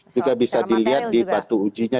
juga bisa dilihat di batu ujinya